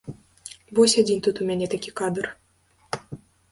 Вось адзін тут у мяне такі кадр.